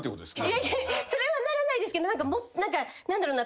いやいやそれはならないですけど何だろうな？